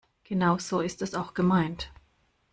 Genau so ist es auch gemeint.